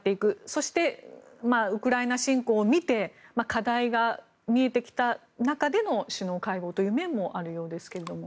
そして、ウクライナ侵攻を見て課題が見えてきた中での首脳会合という面もあるようですけども。